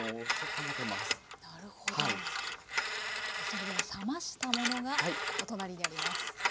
それでは冷ましたものがお隣にあります。